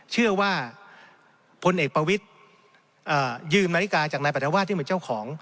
เชื่อว่าพลเอกประวิทยืมนาฬิกาจากนายปรัฐวาสที่เป็นเจ้าของ